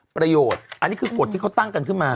ประโยชน์อันนี้คือกฎที่เขาตั้งกันขึ้นมา